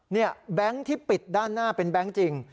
แบงค์ที่ปิดด้านหน้าเป็นแบงค์จริง